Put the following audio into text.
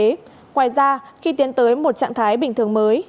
ngoài ra khi tiến tới một trạng thái bình thường mới